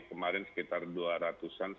kemarin sekitar dua ratus an